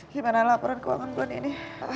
gimana laporan keuangan bulan ini